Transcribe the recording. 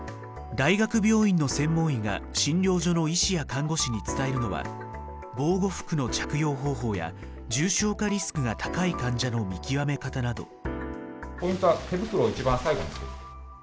大学病院の専門医が診療所の医師や看護師に伝えるのは防護服の着用方法や重症化リスクが高い患者の見極め方など。